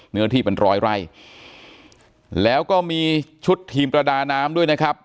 เนื้อที่เป็นร้อยไร่แล้วก็มีชุดทีมประดาน้ำด้วยนะครับ